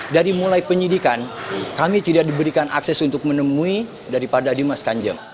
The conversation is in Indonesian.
dari mulai penyidikan kami tidak diberikan akses untuk menemui daripada dimas kanjeng